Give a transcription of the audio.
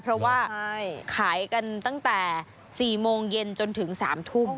เพราะว่าขายกันตั้งแต่๔โมงเย็นจนถึง๓ทุ่ม